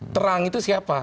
terang itu siapa